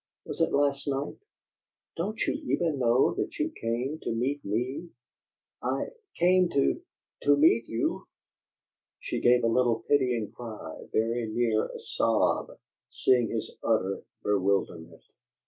"Was it last night?" "Don't you even know that you came to meet me?" "I came to to meet you!" She gave a little pitying cry, very near a sob, seeing his utter bewilderment.